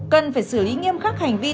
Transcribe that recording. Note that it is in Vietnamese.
cần phải xử lý nghiêm khắc hành vi